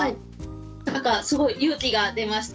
なんかすごい勇気が出ました。